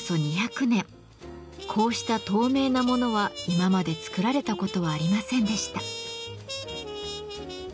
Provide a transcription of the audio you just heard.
こうした透明なものは今まで作られたことはありませんでした。